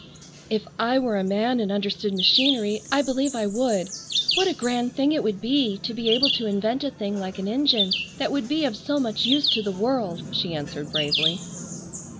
"If I were a man and understood machinery I believe I would. What a grand thing it would be to be able to invent a thing like an engine that would be of so much use to the world," she answered bravely.